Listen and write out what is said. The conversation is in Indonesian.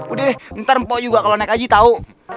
udah deh ntar empok juga kalau naik aja tau